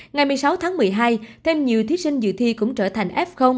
ngày một mươi sáu tháng một mươi hai thêm nhiều thí sinh dự thi cũng trở thành f